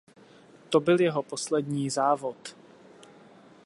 To byl jeho poslední závod.